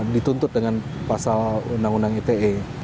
dituntut dengan pasal undang undang ite